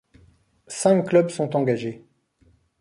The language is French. Cinq clubs sont engagés.